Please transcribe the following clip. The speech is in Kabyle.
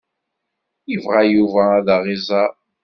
Ibɣa Yuba ad aɣ-iẓer.